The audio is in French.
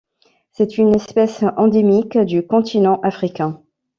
C'est une espèce endémique du continent africain.